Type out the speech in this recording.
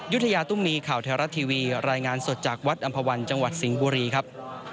ยุธยาตุ้มมีข่าวไทยรัฐทีวีรายงานสดจากวัดอำภาวันจังหวัดสิงห์บุรีครับ